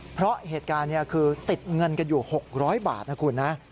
เพราะเหตุการณ์นี้คือติดเงินกันอยู่๖๐๐บาทนะคุณนะ